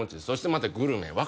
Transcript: そしてまたグルメ。